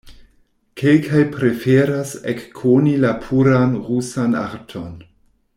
Kelkaj preferas ekkoni la puran rusan arton.